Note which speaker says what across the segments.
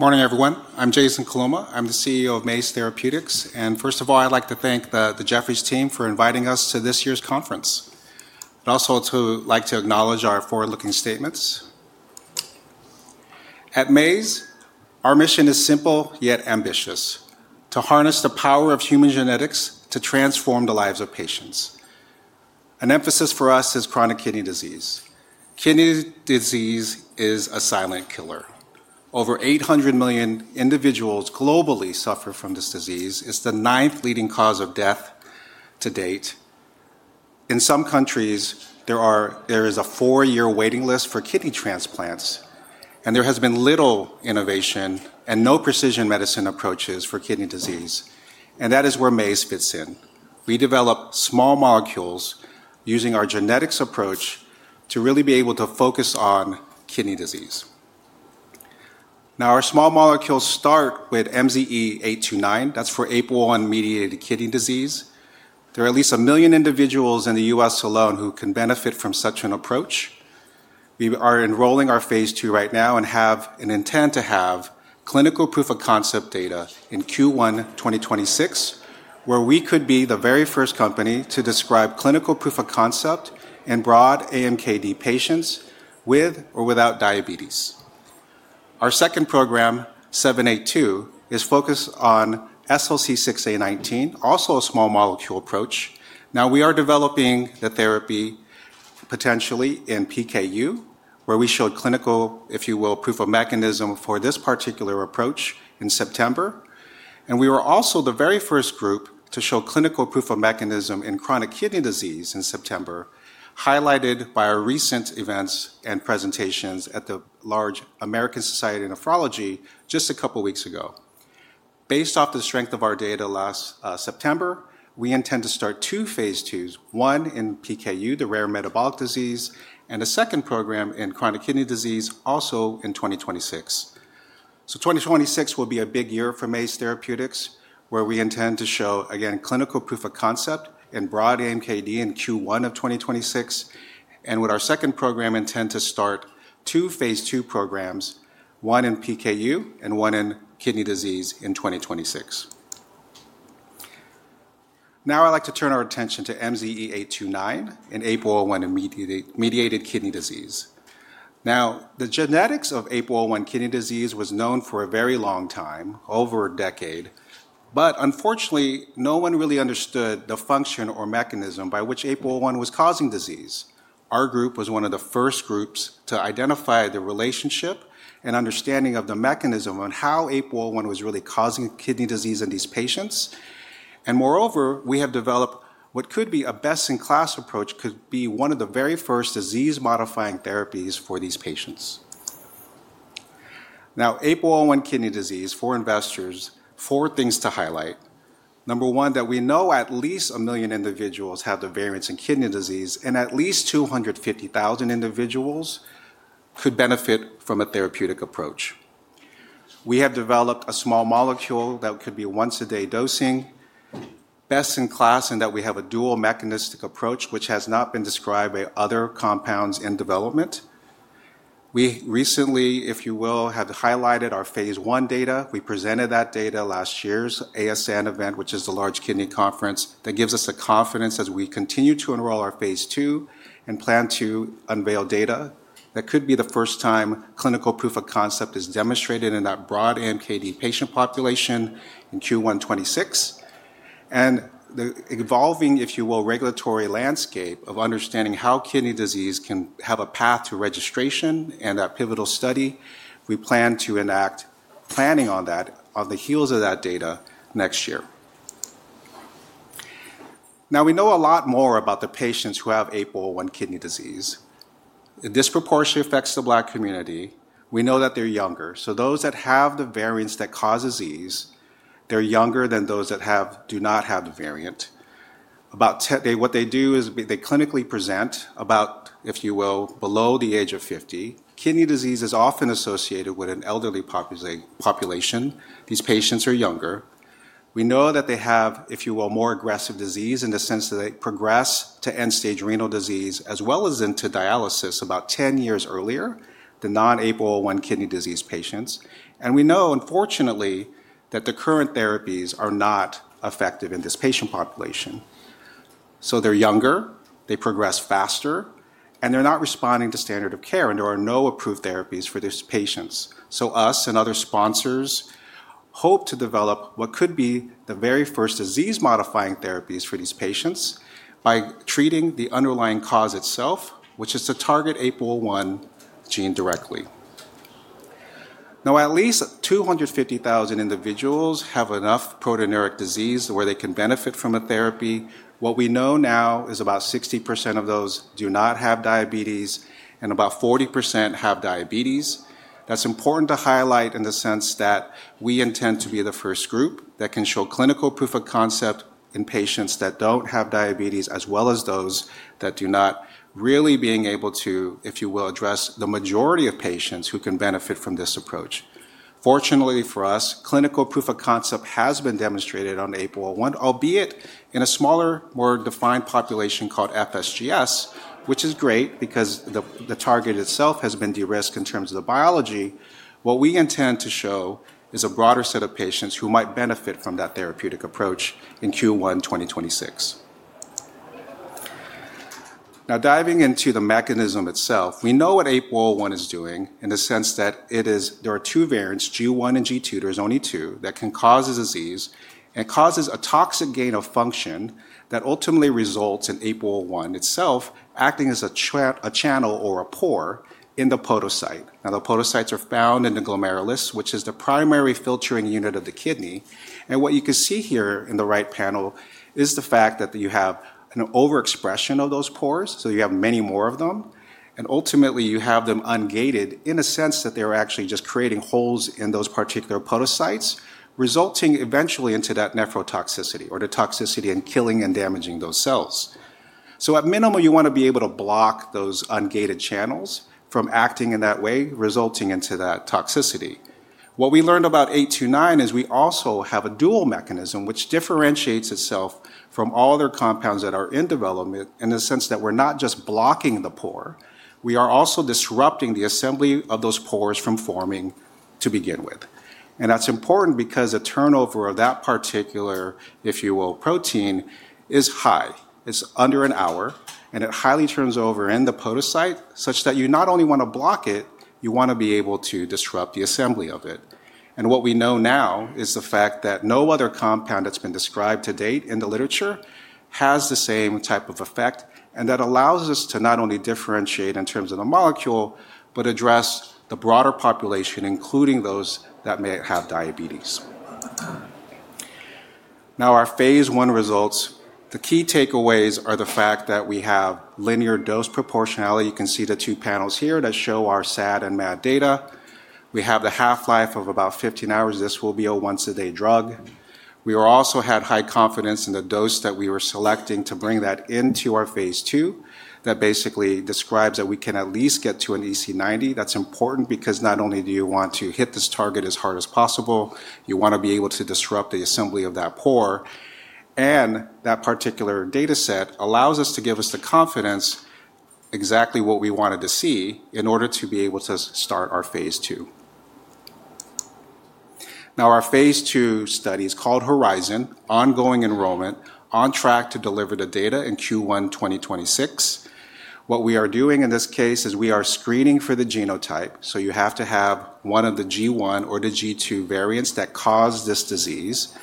Speaker 1: Morning, everyone. I'm Jason Coloma. I'm the CEO of Maze Therapeutics. First of all, I'd like to thank the Jefferies team for inviting us to this year's conference. I'd also like to acknowledge our forward-looking statements. At Maze, our mission is simple yet ambitious: to harness the power of human genetics to transform the lives of patients. An emphasis for us is chronic kidney disease. Kidney disease is a silent killer. Over 800 million individuals globally suffer from this disease. It's the ninth leading cause of death to date. In some countries, there is a four-year waiting list for kidney transplants, and there has been little innovation and no precision medicine approaches for kidney disease. That is where Maze fits in. We develop small molecules using our genetics approach to really be able to focus on kidney disease. Now, our small molecules start with MZE829. That's for APOL1-mediated kidney disease. There are at least 1 million individuals in the U.S. alone who can benefit from such an approach. We are enrolling our phase II right now and have an intent to have clinical proof of concept data in Q1 2026, where we could be the very first company to describe clinical proof of concept in broad AMKD patients with or without diabetes. Our second program, MZE782, is focused on SLC6A19, also a small molecule approach. Now, we are developing the therapy potentially in PKU, where we showed clinical, if you will, proof of mechanism for this particular approach in September. We were also the very first group to show clinical proof of mechanism in chronic kidney disease in September, highlighted by our recent events and presentations at the large American Society of Nephrology just a couple of weeks ago. Based off the strength of our data last September, we intend to start two phase IIs, one in PKU, the rare metabolic disease, and a second program in chronic kidney disease also in 2026. 2026 will be a big year for Maze Therapeutics, where we intend to show, again, clinical proof of concept in broad AMKD in Q1 of 2026. With our second program, we intend to start two phase II programs, one in PKU and one in kidney disease in 2026. Now, I'd like to turn our attention to MZE829 in APOL1-mediated kidney disease. The genetics of APOL1 kidney disease was known for a very long time, over a decade, but unfortunately, no one really understood the function or mechanism by which APOL1 was causing disease. Our group was one of the first groups to identify the relationship and understanding of the mechanism on how APOL1 was really causing kidney disease in these patients. Moreover, we have developed what could be a best-in-class approach, could be one of the very first disease-modifying therapies for these patients. Now, APOL1 kidney disease, for investors, four things to highlight. Number one, that we know at least one million individuals have the variants in kidney disease, and at least 250,000 individuals could benefit from a therapeutic approach. We have developed a small molecule that could be once-a-day dosing, best-in-class, and that we have a dual mechanistic approach, which has not been described by other compounds in development. We recently, if you will, have highlighted our phase I data. We presented that data last year's ASN event, which is the large kidney conference, that gives us the confidence as we continue to enroll our phase II and plan to unveil data that could be the first time clinical proof of concept is demonstrated in that broad AMKD patient population in Q1 2026. The evolving, if you will, regulatory landscape of understanding how kidney disease can have a path to registration and that pivotal study, we plan to enact planning on that on the heels of that data next year. Now, we know a lot more about the patients who have APOL1 kidney disease. It disproportionately affects the Black community. We know that they're younger. So those that have the variants that cause disease, they're younger than those that do not have the variant. About what they do is they clinically present about, if you will, below the age of 50. Kidney disease is often associated with an elderly population. These patients are younger. We know that they have, if you will, more aggressive disease in the sense that they progress to end-stage renal disease as well as into dialysis about 10 years earlier, the non-APOL1 kidney disease patients. We know, unfortunately, that the current therapies are not effective in this patient population. They are younger, they progress faster, and they are not responding to standard of care, and there are no approved therapies for these patients. Us and other sponsors hope to develop what could be the very first disease-modifying therapies for these patients by treating the underlying cause itself, which is to target APOL1 gene directly. Now, at least 250,000 individuals have enough proteinuric disease where they can benefit from a therapy. What we know now is about 60% of those do not have diabetes, and about 40% have diabetes. That's important to highlight in the sense that we intend to be the first group that can show clinical proof of concept in patients that don't have diabetes as well as those that do not, really being able to, if you will, address the majority of patients who can benefit from this approach. Fortunately for us, clinical proof of concept has been demonstrated on APOL1, albeit in a smaller, more defined population called FSGS, which is great because the target itself has been de-risked in terms of the biology. What we intend to show is a broader set of patients who might benefit from that therapeutic approach in Q1 2026. Now, diving into the mechanism itself, we know what APOL1 is doing in the sense that there are two variants, G1 and G2. There's only two that can cause the disease and causes a toxic gain of function that ultimately results in APOL1 itself acting as a channel or a pore in the podocyte. Now, the podocytes are found in the glomerulus, which is the primary filtering unit of the kidney. What you can see here in the right panel is the fact that you have an overexpression of those pores, so you have many more of them. Ultimately, you have them ungated in a sense that they're actually just creating holes in those particular podocytes, resulting eventually into that nephrotoxicity or the toxicity and killing and damaging those cells. At minimum, you want to be able to block those ungated channels from acting in that way, resulting into that toxicity. What we learned about MZE829 is we also have a dual mechanism, which differentiates itself from all other compounds that are in development in the sense that we're not just blocking the pore, we are also disrupting the assembly of those pores from forming to begin with. That is important because the turnover of that particular, if you will, protein is high. It is under an hour, and it highly turns over in the podocyte, such that you not only want to block it, you want to be able to disrupt the assembly of it. What we know now is the fact that no other compound that's been described to date in the literature has the same type of effect, and that allows us to not only differentiate in terms of the molecule, but address the broader population, including those that may have diabetes. Now, our phase I results, the key takeaways are the fact that we have linear dose proportionality. You can see the two panels here that show our SAD and MAD data. We have the half-life of about 15 hours. This will be a once-a-day drug. We also had high confidence in the dose that we were selecting to bring that into our phase II that basically describes that we can at least get to an EC90. That's important because not only do you want to hit this target as hard as possible, you want to be able to disrupt the assembly of that pore. That particular data set allows us to give us the confidence exactly what we wanted to see in order to be able to start our phase II. Now, our phase II study is called HORIZON, ongoing enrollment, on track to deliver the data in Q1 2026. What we are doing in this case is we are screening for the genotype. You have to have one of the G1 or the G2 variants that cause this disease.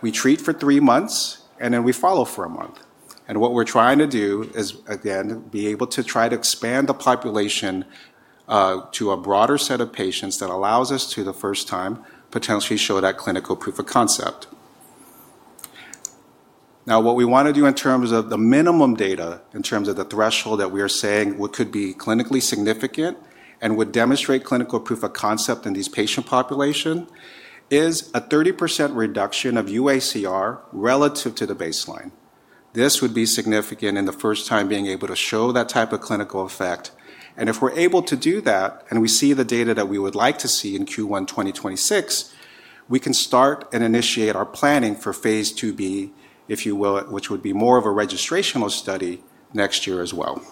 Speaker 1: We treat for three months, and then we follow for a month. What we're trying to do is, again, be able to try to expand the population to a broader set of patients that allows us, for the first time, potentially show that clinical proof of concept. Now, what we want to do in terms of the minimum data, in terms of the threshold that we are saying what could be clinically significant and would demonstrate clinical proof of concept in these patient populations, is a 30% reduction of uACR relative to the baseline. This would be significant in the first time being able to show that type of clinical effect. If we're able to do that and we see the data that we would like to see in Q1 2026, we can start and initiate our planning for phase II-B, if you will, which would be more of a registrational study next year as well.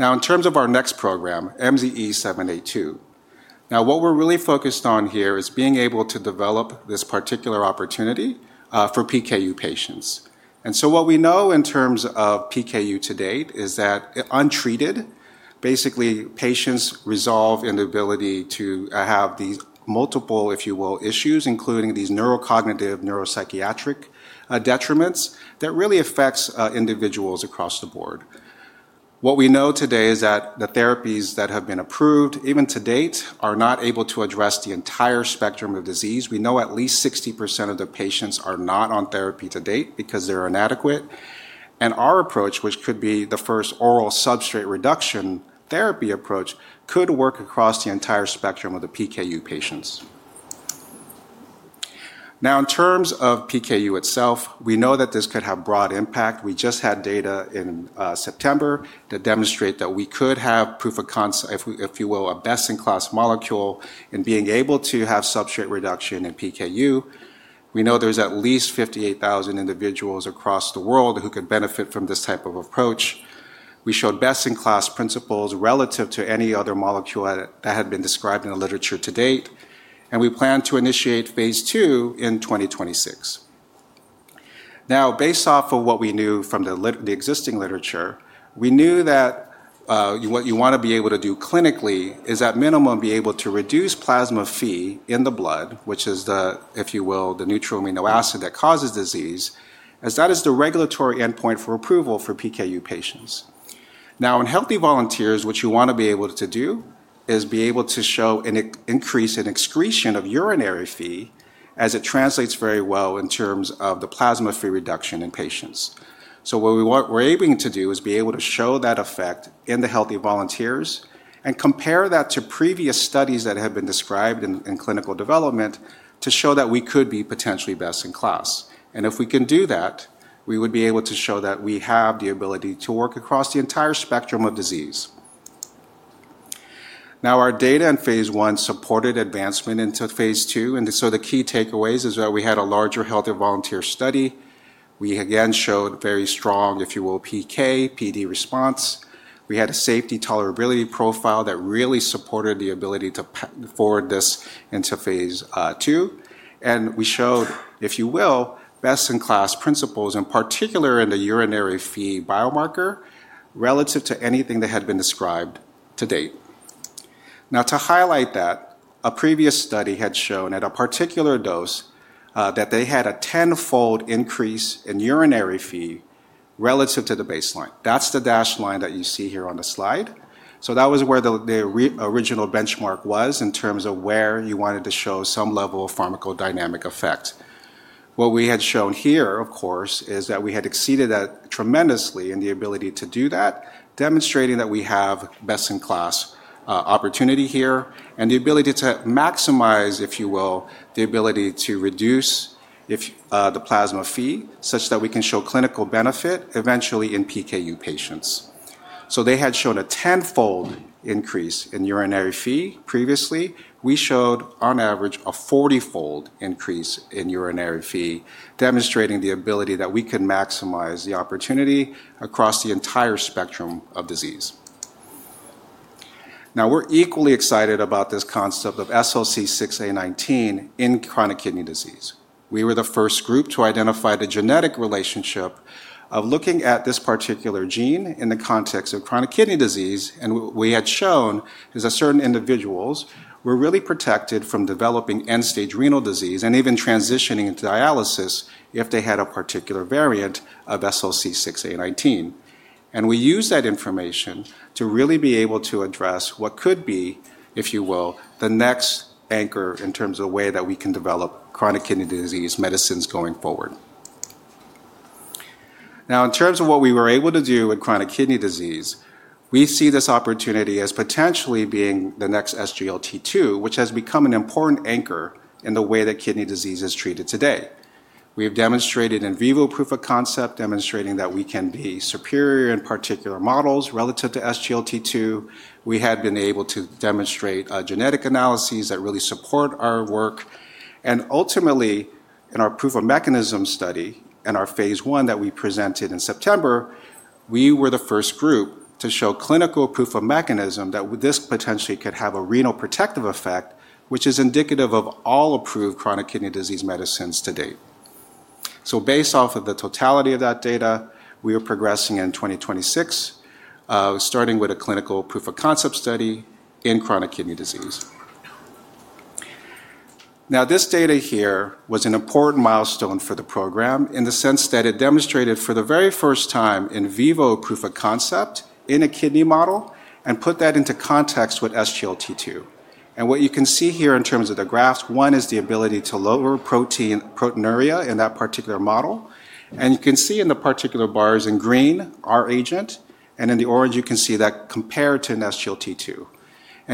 Speaker 1: Now, in terms of our next program, MZE782, what we're really focused on here is being able to develop this particular opportunity for PKU patients. What we know in terms of PKU to date is that untreated, basically, patients resolve inability to have these multiple, if you will, issues, including these neurocognitive, neuropsychiatric detriments that really affect individuals across the board. What we know today is that the therapies that have been approved, even to date, are not able to address the entire spectrum of disease. We know at least 60% of the patients are not on therapy to date because they're inadequate. Our approach, which could be the first oral substrate reduction therapy approach, could work across the entire spectrum of the PKU patients. In terms of PKU itself, we know that this could have broad impact. We just had data in September that demonstrated that we could have proof of concept, if you will, a best-in-class molecule in being able to have substrate reduction in PKU. We know there's at least 58,000 individuals across the world who could benefit from this type of approach. We showed best-in-class principles relative to any other molecule that had been described in the literature to date. We plan to initiate phase II in 2026. Now, based off of what we knew from the existing literature, we knew that what you want to be able to do clinically is, at minimum, be able to reduce plasma Phe in the blood, which is the, if you will, the neutral amino acid that causes disease, as that is the regulatory endpoint for approval for PKU patients. Now, in healthy volunteers, what you want to be able to do is be able to show an increase in excretion of urinary Phe, as it translates very well in terms of the plasma Phe reduction in patients. What we're able to do is be able to show that effect in the healthy volunteers and compare that to previous studies that have been described in clinical development to show that we could be potentially best in class. If we can do that, we would be able to show that we have the ability to work across the entire spectrum of disease. Our data in phase I supported advancement into phase II. The key takeaways is that we had a larger healthy volunteer study. We, again, showed very strong, if you will, PK, PD response. We had a safety tolerability profile that really supported the ability to forward this into phase II. We showed, if you will, best-in-class principles in particular in the urinary fee biomarker relative to anything that had been described to date. To highlight that, a previous study had shown at a particular dose that they had a tenfold increase in urinary fee relative to the baseline. That is the dash line that you see here on the slide. That was where the original benchmark was in terms of where you wanted to show some level of pharmacodynamic effect. What we had shown here, of course, is that we had exceeded that tremendously in the ability to do that, demonstrating that we have best-in-class opportunity here and the ability to maximize, if you will, the ability to reduce the plasma fee such that we can show clinical benefit eventually in PKU patients. They had shown a tenfold increase in urinary fee previously. We showed, on average, a 40-fold increase in urinary fee, demonstrating the ability that we could maximize the opportunity across the entire spectrum of disease. Now, we're equally excited about this concept of SLC6A19 in chronic kidney disease. We were the first group to identify the genetic relationship of looking at this particular gene in the context of chronic kidney disease. What we had shown is that certain individuals were really protected from developing end-stage renal disease and even transitioning into dialysis if they had a particular variant of SLC6A19. We use that information to really be able to address what could be, if you will, the next anchor in terms of a way that we can develop chronic kidney disease medicines going forward. Now, in terms of what we were able to do with chronic kidney disease, we see this opportunity as potentially being the next SGLT2, which has become an important anchor in the way that kidney disease is treated today. We have demonstrated in vivo proof of concept demonstrating that we can be superior in particular models relative to SGLT2. We had been able to demonstrate genetic analyses that really support our work. Ultimately, in our proof of mechanism study and our phase I that we presented in September, we were the first group to show clinical proof of mechanism that this potentially could have a renal protective effect, which is indicative of all approved chronic kidney disease medicines to date. Based off of the totality of that data, we are progressing in 2026, starting with a clinical proof of concept study in chronic kidney disease. This data here was an important milestone for the program in the sense that it demonstrated for the very first time in vivo proof of concept in a kidney model and put that into context with SGLT2. What you can see here in terms of the graphs, one is the ability to lower proteinuria in that particular model. You can see in the particular bars in green our agent, and in the orange, you can see that compared to an SGLT2.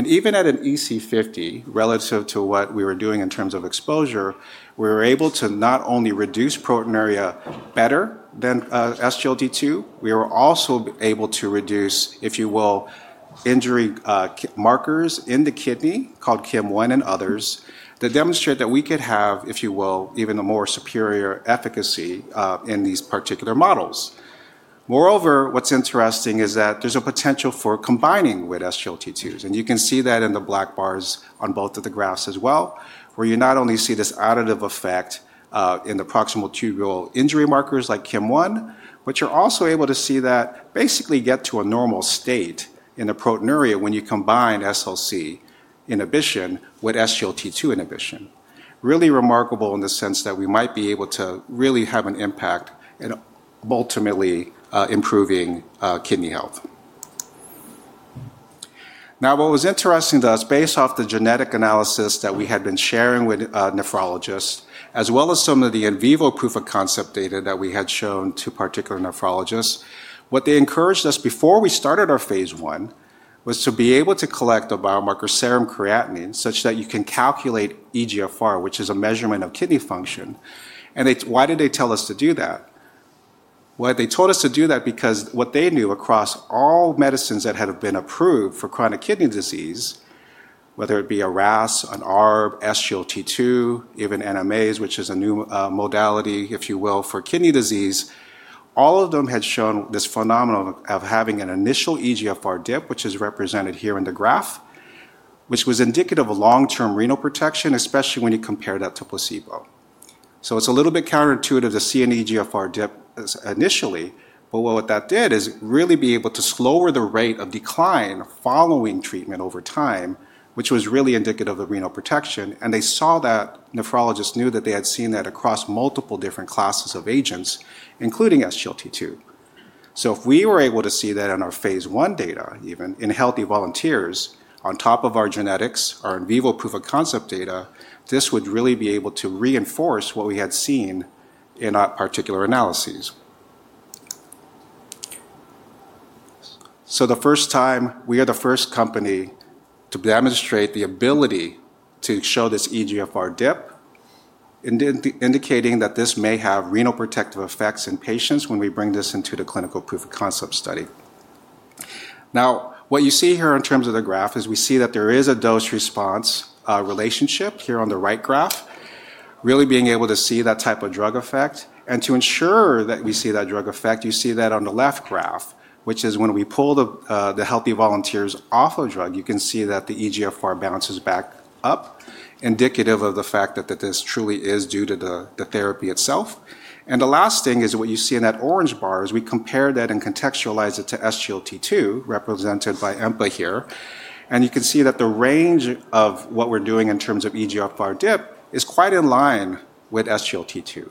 Speaker 1: Even at an EC50 relative to what we were doing in terms of exposure, we were able to not only reduce proteinuria better than SGLT2, we were also able to reduce, if you will, injury markers in the kidney called KIM-1 and others that demonstrate that we could have, if you will, even a more superior efficacy in these particular models. Moreover, what's interesting is that there's a potential for combining with SGLT2s. You can see that in the black bars on both of the graphs as well, where you not only see this additive effect in the proximal tubule injury markers like KIM-1, but you're also able to see that basically get to a normal state in the proteinuria when you combine SLC inhibition with SGLT2 inhibition. Really remarkable in the sense that we might be able to really have an impact in ultimately improving kidney health. What was interesting to us, based off the genetic analysis that we had been sharing with nephrologists, as well as some of the in vivo proof of concept data that we had shown to particular nephrologists, what they encouraged us before we started our phase one was to be able to collect a biomarker serum creatinine such that you can calculate eGFR, which is a measurement of kidney function. Why did they tell us to do that? They told us to do that because what they knew across all medicines that had been approved for chronic kidney disease, whether it be a RAAS, an ARB, SGLT2, even NMAs, which is a new modality, if you will, for kidney disease, all of them had shown this phenomenon of having an initial eGFR dip, which is represented here in the graph, which was indicative of long-term renal protection, especially when you compare that to placebo. It is a little bit counterintuitive to see an eGFR dip initially, but what that did is really be able to slow the rate of decline following treatment over time, which was really indicative of renal protection. They saw that nephrologists knew that they had seen that across multiple different classes of agents, including SGLT2. If we were able to see that in our phase one data, even in healthy volunteers, on top of our genetics, our in vivo proof of concept data, this would really be able to reinforce what we had seen in our particular analyses. For the first time, we are the first company to demonstrate the ability to show this eGFR dip, indicating that this may have renal protective effects in patients when we bring this into the clinical proof of concept study. What you see here in terms of the graph is we see that there is a dose-response relationship here on the right graph, really being able to see that type of drug effect. To ensure that we see that drug effect, you see that on the left graph, which is when we pull the healthy volunteers off of drug, you can see that the eGFR bounces back up, indicative of the fact that this truly is due to the therapy itself. The last thing is what you see in that orange bar is we compare that and contextualize it to SGLT2, represented by EMPA here. You can see that the range of what we are doing in terms of eGFR dip is quite in line with SGLT2.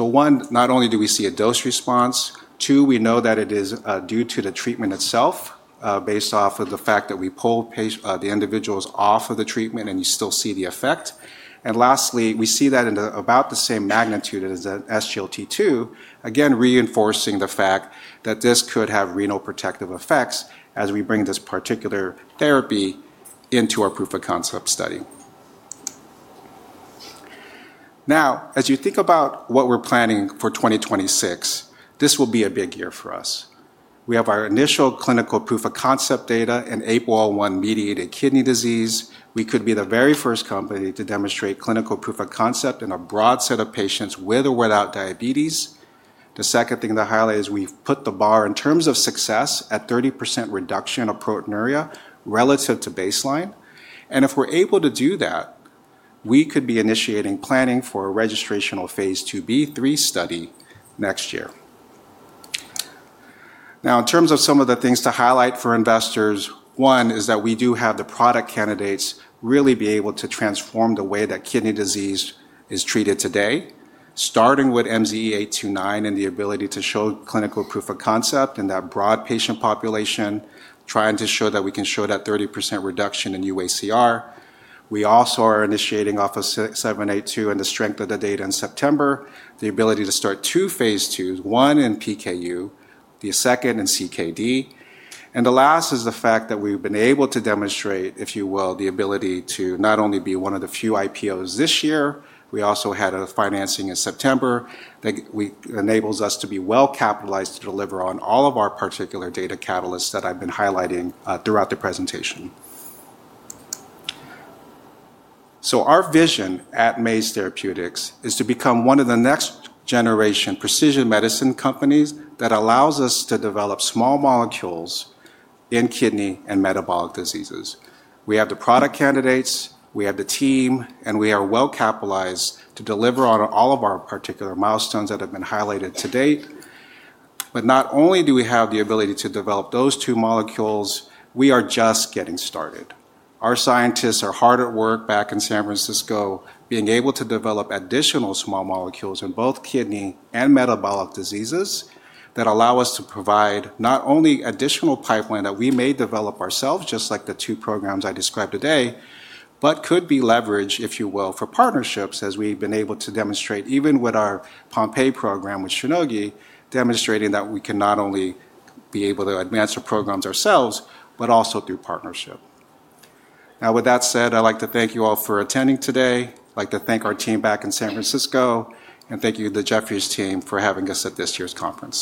Speaker 1: One, not only do we see a dose response, two, we know that it is due to the treatment itself based off of the fact that we pull the individuals off of the treatment and you still see the effect. Lastly, we see that in about the same magnitude as SGLT2, again, reinforcing the fact that this could have renal protective effects as we bring this particular therapy into our proof of concept study. Now, as you think about what we're planning for 2026, this will be a big year for us. We have our initial clinical proof of concept data in APOL1-mediated kidney disease. We could be the very first company to demonstrate clinical proof of concept in a broad set of patients with or without diabetes. The second thing to highlight is we've put the bar in terms of success at 30% reduction of proteinuria relative to baseline. If we're able to do that, we could be initiating planning for a registrational phase II-B3 study next year. Now, in terms of some of the things to highlight for investors, one is that we do have the product candidates really be able to transform the way that kidney disease is treated today, starting with MZE829 and the ability to show clinical proof of concept in that broad patient population, trying to show that we can show that 30% reduction in uACR. We also are initiating off of MZE782 and the strength of the data in September, the ability to start two phase IIs, one in PKU, the second in CKD. The last is the fact that we've been able to demonstrate, if you will, the ability to not only be one of the few IPOs this year, we also had a financing in September that enables us to be well capitalized to deliver on all of our particular data catalysts that I've been highlighting throughout the presentation. Our vision at Maze Therapeutics is to become one of the next generation precision medicine companies that allows us to develop small molecules in kidney and metabolic diseases. We have the product candidates, we have the team, and we are well capitalized to deliver on all of our particular milestones that have been highlighted to date. Not only do we have the ability to develop those two molecules, we are just getting started. Our scientists are hard at work back in San Francisco being able to develop additional small molecules in both kidney and metabolic diseases that allow us to provide not only additional pipeline that we may develop ourselves, just like the two programs I described today, but could be leveraged, if you will, for partnerships as we've been able to demonstrate even with our Pompe program with Shionogi, demonstrating that we can not only be able to advance our programs ourselves, but also through partnership. Now, with that said, I'd like to thank you all for attending today. I'd like to thank our team back in San Francisco and thank you to the Jefferies team for having us at this year's conference.